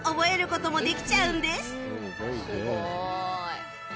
すごい！